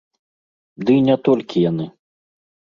Дый не толькі яны.